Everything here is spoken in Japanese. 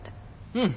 うん。